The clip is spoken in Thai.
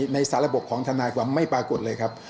ในสารบของทนายความไม่ปรากฏเลยครับ